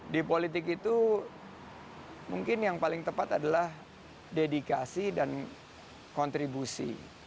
di politik itu mungkin yang paling tepat adalah dedikasi dan kontribusi